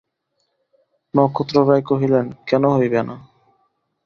নক্ষত্ররায় কহিলেন, কেন হইবে না?